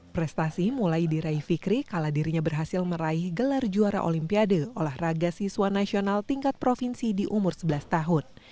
prestasi mulai diraih fikri kala dirinya berhasil meraih gelar juara olimpiade olahraga siswa nasional tingkat provinsi di umur sebelas tahun